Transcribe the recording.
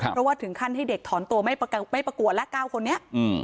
เพราะว่าถึงขั้นให้เด็กถอนตัวไม่ประกวดแล้ว๙คนนี้